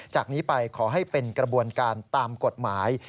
จากนี้ไปขอให้เป็นกระบวนการตามกฎหมาย